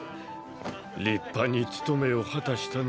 立派に務めを果たしたな。